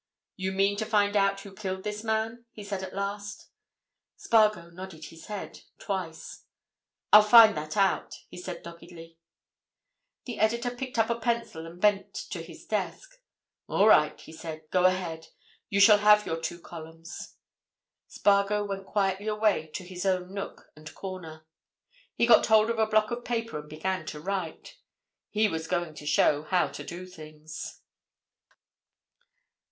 "You mean to find out who killed this man?" he said at last. Spargo nodded his head—twice. "I'll find that out," he said doggedly. The editor picked up a pencil, and bent to his desk. "All right," he said. "Go ahead. You shall have your two columns." Spargo went quietly away to his own nook and corner. He got hold of a block of paper and began to write. He was going to show how to do things.